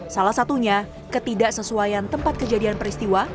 salah satunya ketidaksesuaian tempat kejadian peristiwa